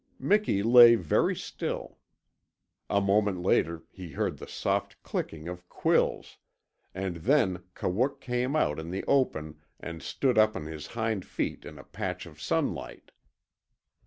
Miki lay very still. A moment later he heard the soft clicking of quills, and then Kawook came out in the open and stood up on his hind feet in a patch of sunlight.